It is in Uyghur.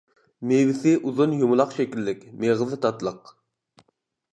مېۋىسى ئۇزۇن يۇمىلاق شەكىللىك، مېغىزى تاتلىق.